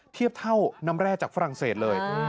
เทียบเท่าน้ำแร่จากฝรั่งเศสเลย